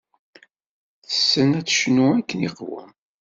Tessen ad tecnu akken iqwem.